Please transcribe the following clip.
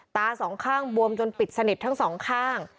ตาสองข้างบวมจนปิดสนิททั้งสองข้าง